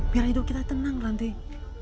biar hidup kita tenang nanti